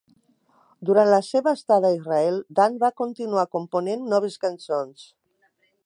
Durant la seva estada a Israel, Dan va continuar component noves cançons.